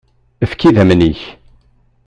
Efk-idammen-ik.